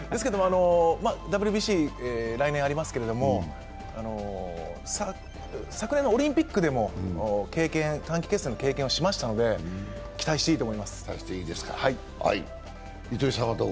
ＷＢＣ来年ありますけれども、昨年のオリンピックでも短期決戦の経験をしましたので期待していいと思います。